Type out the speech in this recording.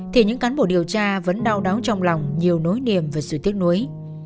thì những cán bộ điều tra vẫn đau đáo trong lòng nhiều nối niềm và sự tiếc nuối